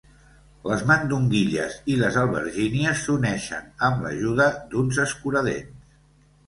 Les mandonguilles i les albergínies s'uneixen amb l'ajuda d'uns escuradents.